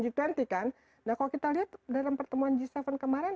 jadi kan kalau kita lihat dalam pertemuan g tujuh kemarin